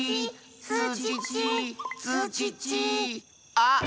あっ！